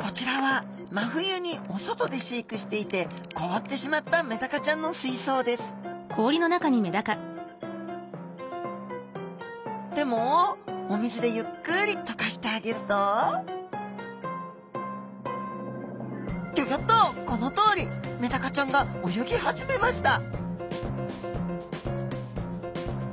こちらは真冬にお外で飼育していて凍ってしまったメダカちゃんの水槽ですでもお水でゆっくり溶かしてあげるとギョギョッとこのとおりメダカちゃんが泳ぎ始めました！